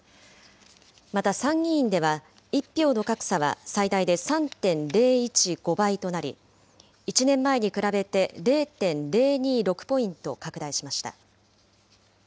また参議院では、１票の格差は最大で３．０１５倍となり、１年前に比べて０．０２６ポイント拡大しました。